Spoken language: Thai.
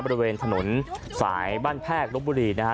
บริเวณถนนสายบ้านแพกลบบุรีนะฮะ